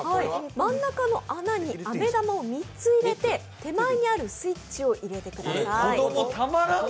真ん中の穴にあめ玉を３つ入れて手前にあるスイッチを入れてください。